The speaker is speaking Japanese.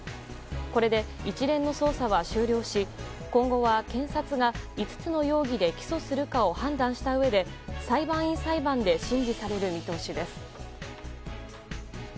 これで一連の捜査は終了し今後は、検察が５つの容疑で起訴するかを判断したうえで裁判員裁判で審理される見通しです。